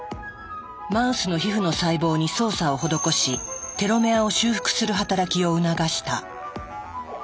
マウスの皮膚の細胞に操作を施しテロメアを修復する働きを促した。